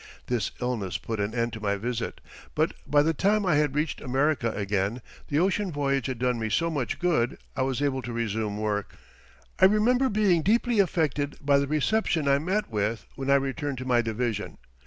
This illness put an end to my visit, but by the time I had reached America again, the ocean voyage had done me so much good I was able to resume work. I remember being deeply affected by the reception I met with when I returned to my division.